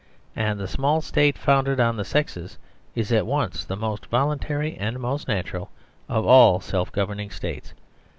And the small state founded on the sexes is at once the most voluntary and the most natural of all self governing states.